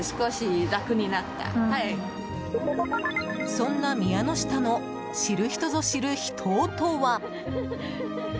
そんな宮ノ下の知る人ぞ知る秘湯とは。